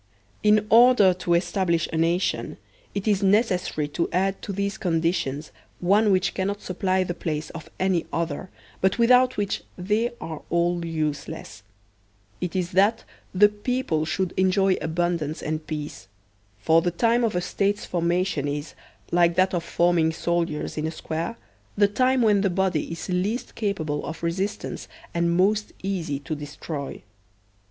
In order to establish a nation, it is necessary to add to these conditions one which cannot supply the place of any other, but without which they are all useless — it is that the people should enjoy abundance and peace; for the time of a State's formation is, like that of forming soldiers in a square, the time when the body is least capable of resistance and most easy to destroy.